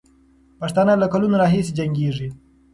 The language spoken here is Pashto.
پښتانه له کلونو راهیسې جنګېږي.